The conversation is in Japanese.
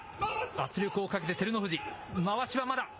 圧力をかけて照ノ富士、まわしはまだ。